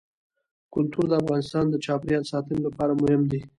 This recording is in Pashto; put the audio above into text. کلتور د افغانستان د چاپیریال ساتنې لپاره مهم دي.